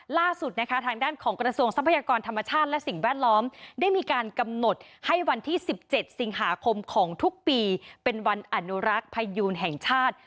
ล่าสุดนะคะทางด้านของกระทรวงทรัพยากรธรรมชาติและสิ่งแวดล้อมได้มีการกำหนดให้วันที่๑๗สิงหาคมของทุกปีเป็นวันอนุรักษ์พยูนแห่งชาติ